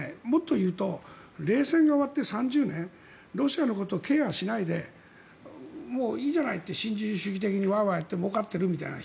もっと言うと冷戦が終わって３０年ロシアのことをケアしないでもういいじゃないって新自由主義的にワーワーやってもうかってるって。